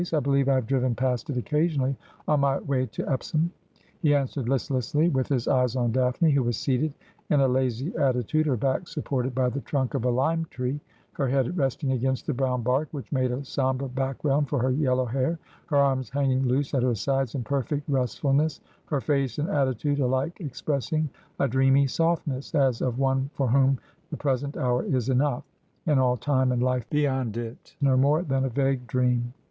I believe I have driven past it occasionally on my way to Epsom,' he answered listlessly, with his eyes on Daphne, who was seated in a lazy attitude, her back supported by the trunk of a lime tree, her head resting against the brown bark, which made a sombre background for her yel low hair, her arms hanging loose at her sides in perfect restful ness, her face and attitude alike expressing a dreamy softness, as of one for whom the present hour is enough, and all time and life beyond it no more than a vague dream.